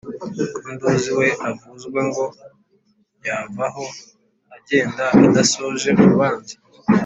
Ko nduzi we avuzwa Ngo yavaho agenda Adasoje urubanza,